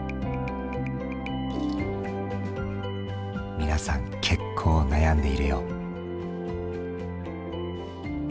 皆さん結構悩んでいるよう。